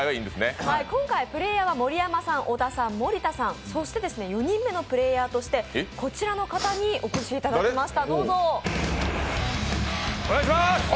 今回プレーヤーは盛山さん、小田さん、森田さん、そしてもう一人のプレーヤーとしてこちらの方にお越しいただきました。